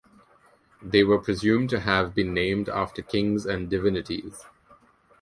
They were presumed to have been named after kings and divinities.